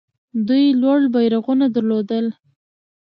دوی لوړ بیرغونه درلودل